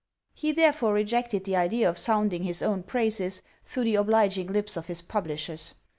He therefore rejected the idea of sounding his own praises through the obliging lips of his publishers.